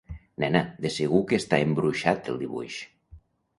Nena, de segur que està embruixat el dibuix.